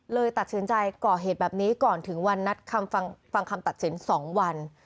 เลยตัดสินใจก่อเหตุแบบนี้ก่อนถึงวันนัดคำฟังคำตัดสิน๒วัน